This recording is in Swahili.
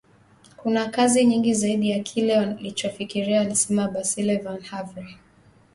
Kuna kazi nyingi zaidi ya kile walichofikiria alisema Basile van Havre